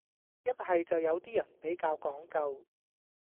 一係就有啲人比較講究